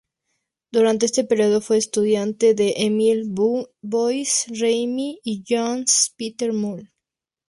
Durante este periodo fue estudiante de Emil Du Bois-Reymond y Johannes Peter Müller.